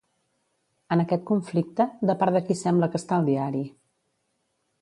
En aquest conflicte, de part de qui sembla que està el diari?